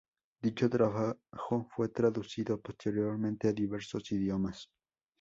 Dicho trabajo fue traducido posteriormente a diversos idiomas.